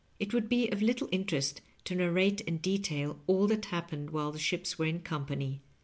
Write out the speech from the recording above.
It would be of little interest to narrate in detail all that happened while the ships were in company.